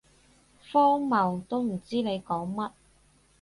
荒謬，都唔知你講乜